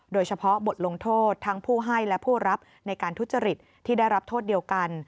โดยเฉพาะบทลงโทษทั้งผู้ให้และผู้รับในการทุจริตที่ได้รับโทษเดียวกัน